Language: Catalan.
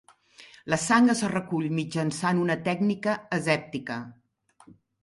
La sang es recull mitjançant una tècnica asèptica.